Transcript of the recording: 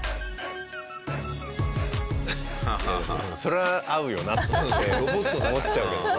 それは合うよなって思っちゃうけど。